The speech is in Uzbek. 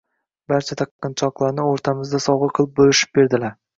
Barcha taqinchoqlarini oʻrtamizda sovgʻa qilib boʻlishib berdilar.